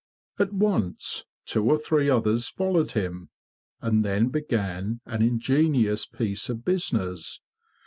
At once two or three others followed him; and then began an ingenious piece of business.